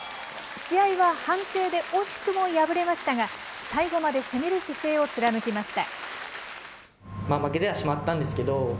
試合は判定で惜しくも敗れましたが、最後まで攻める姿勢を貫きました。